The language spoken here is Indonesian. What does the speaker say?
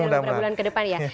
dalam beberapa bulan ke depan ya